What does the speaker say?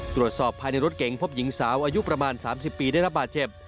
ตรวจสอบภายในรถเก๋งพบหญิงสาวอายุประมาณ๓๐ปีได้รับบาดเจ็บ